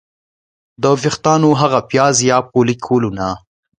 د ویښتانو هغه پیاز یا فولیکولونه